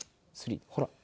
ほら。